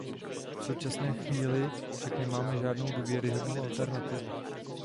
V současné chvíli však nemáme žádnou důvěryhodnou alternativu.